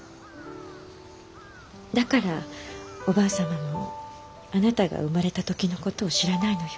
だからおばあ様もあなたが生まれた時の事を知らないのよ。